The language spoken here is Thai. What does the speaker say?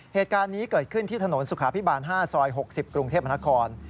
เหตุการณ์นี้เกิดขึ้นที่ถนนสุขาพิบาล๕ซอย๖๐กรุงเทพมนาคม